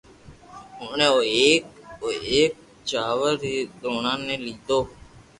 اوڻي او ايڪ او ايڪ چاور ري دوڻا ني ليدو